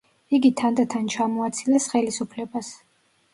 იგი თანდათან ჩამოაცილეს ხელისუფლებას.